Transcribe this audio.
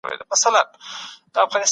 هغه پېښه چي مړینه ده مه ترې ډاریږئ.